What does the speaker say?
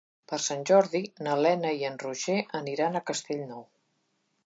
Per Sant Jordi na Lena i en Roger aniran a Castellnou.